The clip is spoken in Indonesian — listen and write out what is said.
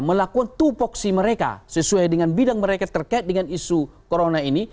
melakukan tupoksi mereka sesuai dengan bidang mereka terkait dengan isu corona ini